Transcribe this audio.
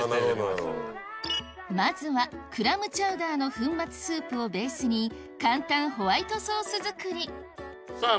まずはクラムチャウダーの粉末スープをベースに簡単ホワイトソース作りさぁ